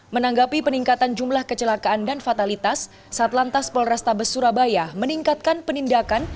menanggapi peningkatan jumlah kecelakaan dan fatalitas satlantas polrestabes surabaya meningkatkan penindakan